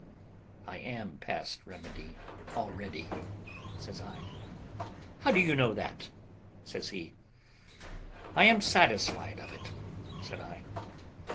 "I am past remedy already," says I. "How do you know that?" says he. "I am satisfied of it," said I.